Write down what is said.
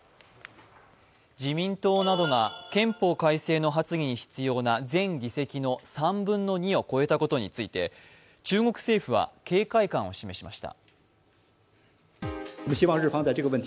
自民党などが憲法改正の発議に必要な全議席の３分の２を超えたことについて中国政府は警戒感を示しました。